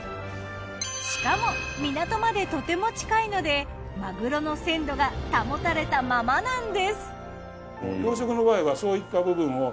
しかも港までとても近いのでマグロの鮮度が保たれたままなんです。